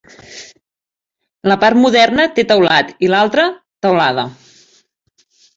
La part moderna té teulat i l'altra teulada.